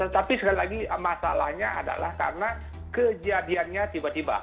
tapi sekali lagi masalahnya adalah karena kejadiannya tiba tiba